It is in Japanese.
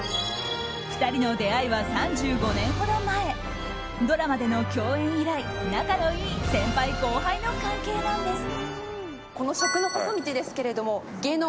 ２人の出会いは３５年ほど前ドラマでの共演以来仲のいい先輩・後輩の関係なんです。